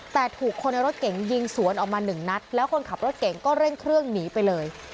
แต่ถูกคนในรถเก๋งยิงสวนออกมาหนึ่งนัดแล้วคนขับรถเก่งก็เร่งเครื่องหนีไปเลย